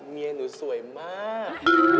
เมียหนูสวยมาก